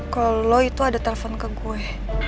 kalau itu ada telepon ke gue